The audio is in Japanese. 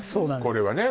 これはね